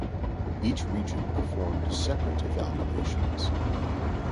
Each region performed separate evaluations.